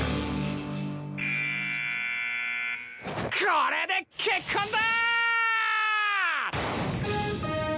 これで結婚だ！